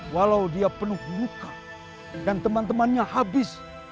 walau dia penuh luka dan teman temannya habis